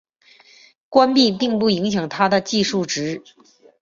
关闭并不影响它的计数值。